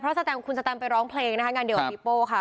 เพราะคุณสแตมไปร้องเพลงนะคะ